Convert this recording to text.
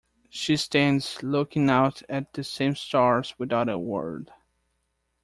She stands looking out at the same stars without a word.